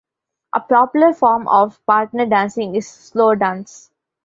A popular form of partner dancing is slow dance.